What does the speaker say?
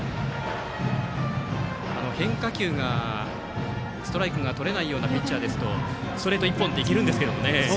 変化球がストライクがとれないようなピッチャーですとストレート一本でいけるんですが。